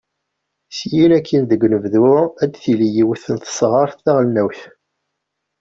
Syin akin deg unebdu, ad tili yiwet n tesɣert taɣelnawt.